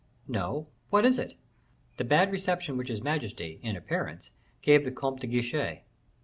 "No; what is it?" "The bad reception which his majesty, in appearance, gave the Comte de Guiche."